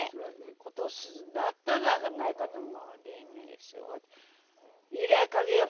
ことしだったんじゃないかと思う。